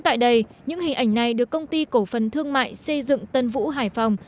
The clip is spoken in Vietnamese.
đây là những hình ảnh do ngư dân tại bãi bồi gồ nam phường trang cát quận hải an thành phố hải phòng